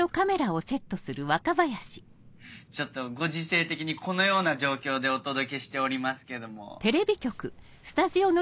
ちょっとご時世的にこのような状況でお届けしておりますけども。